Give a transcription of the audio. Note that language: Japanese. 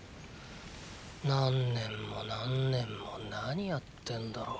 何年も何年も何やってんだろ。